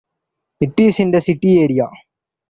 It is in the city area.